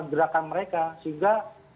gerakan mereka sehingga